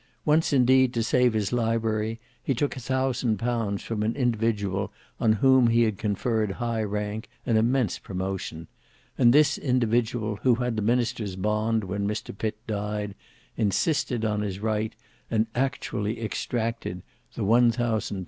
Once indeed, to save his library, he took a thousand pounds from an individual on whom he had conferred high rank and immense promotion: and this individual, who had the minister's bond when Mr Pitt died, insisted on his right, and actually extracted the 1,000 l.